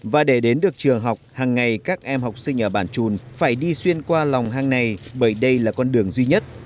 và để đến được trường học hàng ngày các em học sinh ở bản trùn phải đi xuyên qua lòng hang này bởi đây là con đường duy nhất